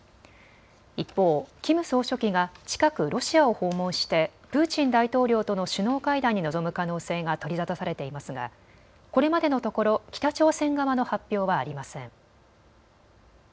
一方、キム総書記が近くロシアを訪問してプーチン大統領との首脳会談に臨む可能性が取り沙汰されていますがこれまでのところ北朝鮮側の発表はありません。